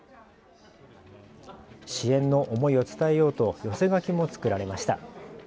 支援の思いを伝えようと寄せ書きも作られました。